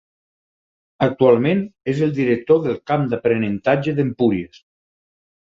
Actualment és el director del Camp d'Aprenentatge d'Empúries.